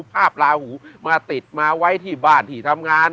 ลาหูมาติดมาไว้ที่บ้านที่ทำงาน